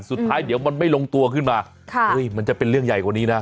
สุดท้ายเดี๋ยวมันไม่ลงตัวขึ้นมามันจะเป็นเรื่องใหญ่กว่านี้นะ